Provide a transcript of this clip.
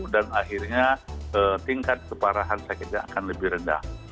akhirnya tingkat keparahan sakitnya akan lebih rendah